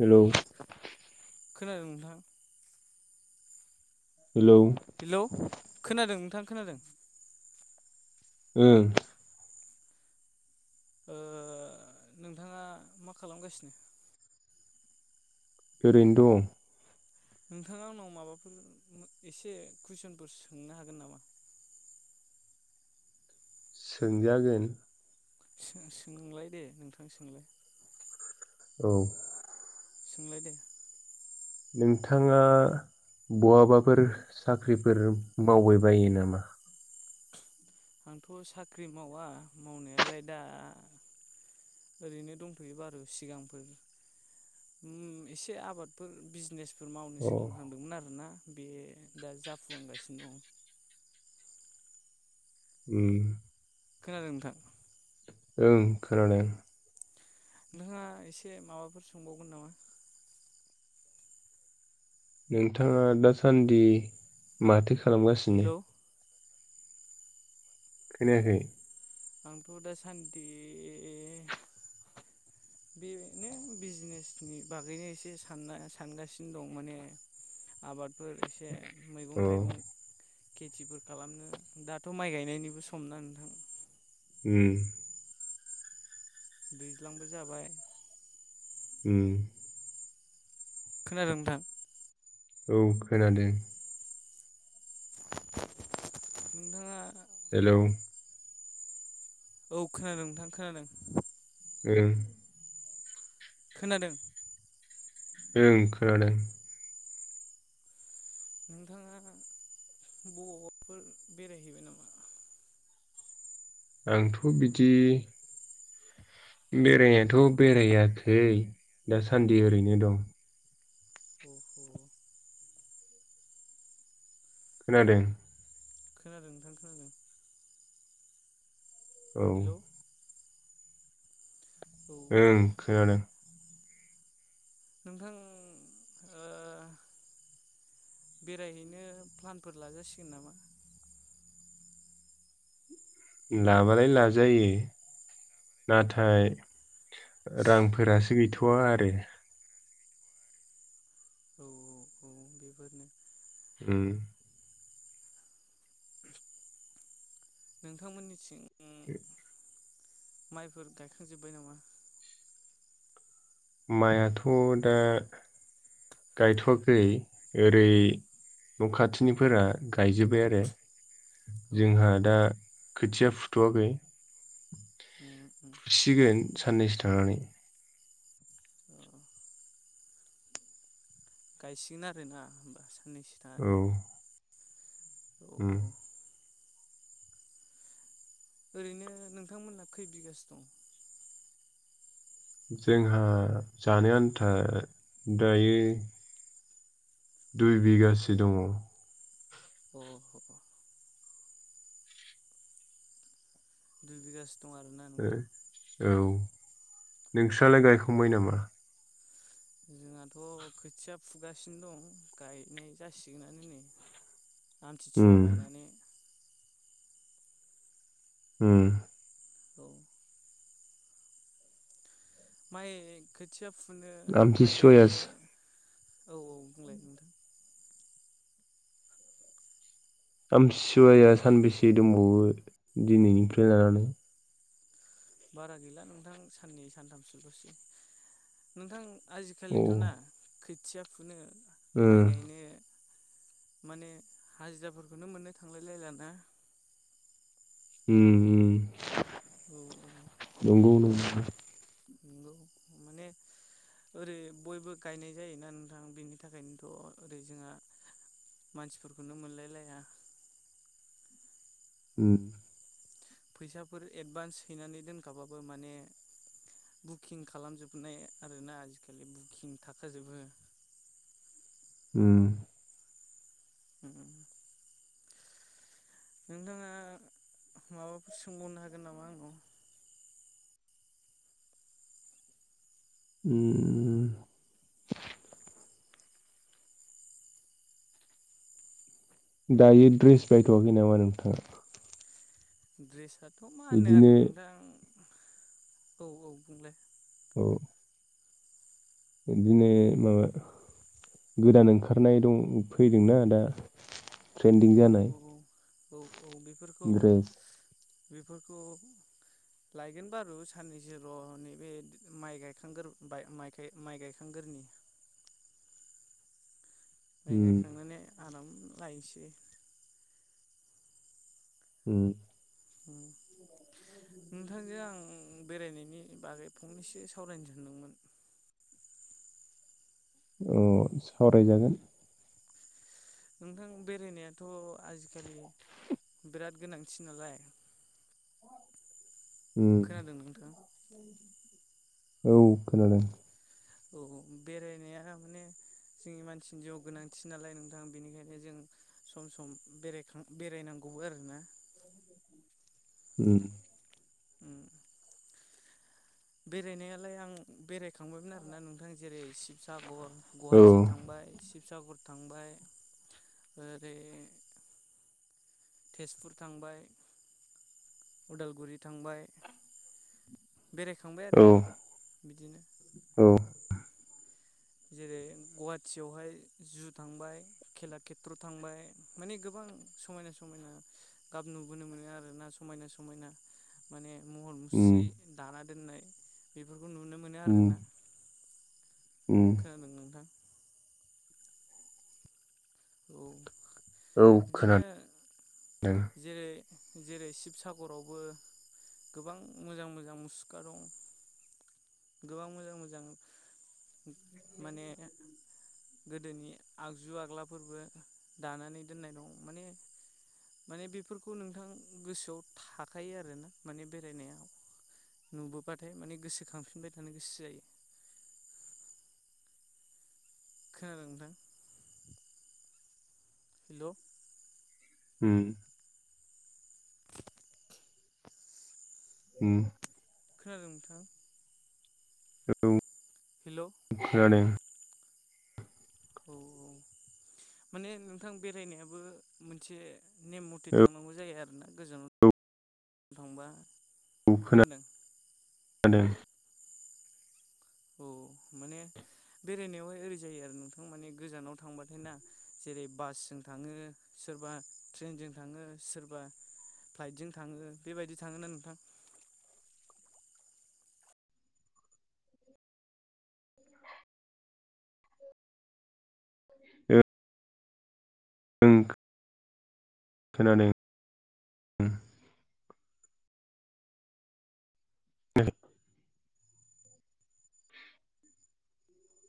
Hello. खोनादों नोंथां? Hello hello खोनादों नोंथां? खोनादों? ओ। अ नोंथाङा मा खालामगासिनो? ओरैनो दं। नोंथाङा आंनाव माबाफोर एसे कुइसनफोर सोंनो हागोन नामा? सोंजागोन। सो-सोंलाय दे नोंथां सोंलाय। औ। सोंलायदे। नोंथाङा बहाबाफोर साख्रिफोर मावबाय बायो नामा? आंथ' साख्रि मावा मावनायालाय दा ओरैनो दंथ'यो बारु सिगांफोर ओम एसे आबादफोर बिजनेस फोर मावनो अ सोलोंहांदोंमोन आरो ना। बे दा जाफुहांगासिनो दं। उम। खोनादों नोंथां? ओं खोनादों। नोंहा एसे माबाफोर सोंबावगोन नामा? नोंथाङा दासान्दि माथो खालामगासिनो? हेलौ खोनायाखै? आंथ' दासान्दि बेदिनो बिजनेसनि बागैनो एसे सानना सानगासिनो दं माने आबाद फोर एसे मैगं अ थाइगं खेथिफोर खालामनो दाथ' माइ गायनायनिबो सम न नोंथां? ओम। दैज्लांबो जाबाय। ओम। खोनादों नोंथां? औ खोनादों। नोंथाङा हेल'! औ खोनादों नोंथां खोनादों ओं खोनादों? ओं खोनादों। नोंथाङा बबावाफोर बेरायहैबाय नामा? आंथ' बिदि बेरायनायाथ' बेरायाखै दासान्दि ओरैनो दं। अ अ खोनादों? खोनादों नोंथां खोनादों। औ। हेलौ औ ओं खोनादों। नोंथां अ बेरायहैनो प्लानफोर लाजासिगोन नामा। लाबालाय लाजायो नाथाय रांफोरासो औ गैथ'वा आरो। औ औ औ बेफोरनो उम। नोंथांमोननि थिं ए। माइफोर गायखांजोब्बाय नामा। माइआथ' दा गायथ'वाखै ओरै न' खाथिनिफोरा गायजोब्बाय आरो औ जोंहा औ दा खोथिया फुथ'वाखै उम उम सिगोन। साननैसो थानानै। अ गायसिगोन आरोना होनोमबा। साननैसोथानानै। ओम ओरैनो नोंथांमोनहा खै बिगासो दं। जोंहा जानो आन्था दायो दुइ बिगाासो दङ। अ। दुइ बिघा। ओ औ। औ नोंस्रालाय गायखांबाय नामा। जोंहाथ' खोथिया फुगासिनो दं गायनाय जासिगोनानो नै। उम आमथिसुवा बायनानै। उम। औ। माइ खोथिया। फुनो आमथि माइ गायनो सुयास औ औ बुंलाय नोंथां। आमथिसुवाया सानबेसे दंबावो दिनैनिफ्राय लानानै बारा गैला नोंथां साननै सानथामसोल'सै नोंथां। औ आजिखालिथ' ना। ओ खोथिया फुनो माइ गायनो माने हाजिराफोरखौनो मोननो थांलायलायलाना। उम उम। औ औ। [inaudible] नंगौ माने ओरै बयबो गायनाय जायोना नोंथां बेनि थाखायनोथ' ओरै जोंहा मानसिफोरखौनो मोनलायलाया ओ फैसाफोर एडभान्स हैनानै दोनखाबाबो माने बुकिं खालामजोबनाय आरोना आजिखालि बुकिं थाखाजोबो ओ नोंथाङा माबाफोर सोंबावनो हागोन नामा आंनाव ओ दायो द्रेस बायथ'वाखै नामा नोंथाङा ड्रेसआ थ मा होननो बिदिनो आरो नोंथां औ औ बुंलाय औ बिदिनो माबा गोदान ओंखारनाय दं फैदोंना दा ट्रेन्दिं औ जानाय औ औ औ बेफोरखौ ड्रेस बेफोरखौ लायगोन बारु साननैसोल' नै बे माइ गायखांगोर बाय माइ गायखांगोरनि माइ उम गायखांनानै आराम लायसै उम नोंथांजों आं बेरायनायनि बागै फंनैसो सावरायनो सानदोंमोन अ सावरायजागोन नोंथां बेरायनायाथ' आजिखालि बेराद गोनांथि नालाय उम खोनादों नोंथाङां औ खोनादों औ बेरायनाया माने जोंनि मानसिनि जिउआव गोनांथि नालाय नोंथां बेनिखायनो जों सम सम बेरायखां बेरायनांगौबो आरोना ओम ओ बेरायनायालाय आं बेराय खांबायमोन आरोना नोंथां जेरै शिबसागर औ गुवाहाटि थांबाय सिब शिबसागर थांबाय ओरै तेजपुर थांबाय उदालगुरि थांबाय बेरायखांबाय आरो औ बिदिनो [unintelligible] जेरै गुवाहाटियावहाय जु थांबाय खेला खेथ्र थांबाय माने गोबां समायना समायना गाब नुबोनो मोनो आरोना समायना समायना माने महर उम मुस्रि दाना दोननाय बेफोर खौ नुनो मोनो उम आरोना उम खोनादों नोंथां औ औ खोनादों बिदिनो दों जेरै जेरै शिबसागरावबो गोबां मोजां मोजां मुसुखा दं। गोबां मोजां मोजां माने गोदोनि आगजु आग्लाफोरबो दानानै दोननाय दं माने माने बेफोरखौ नोंथां गोसोआव थाखायो आरोना माने बेरायनायाव नुबोबाथाय माने गोसोखांफिनबा थांनो गोसो जायो। खोनादों नोंथां हेलौ ओम [inaudible] उम खोनादों नोंथां? औ हेल' औ खोनादों औ औ माने नोंथां बेरायनायाबो मोनसे नेम मथे थांनांगौ जायो आरोना गोजानाव थांबा औ खोनादों [unintelligible] औ माने बेरायनायावहाय ओरै जायो आरो नोंथां माने गोजानाव थांबाथाय ना जेरै- बासजों थाङो सोरबा ट्रेनजों थाङो सोरबा फ्लाइटजों थाङो बेबायदि थाङो ना नोंथां ओ ओं खोनादों उम औ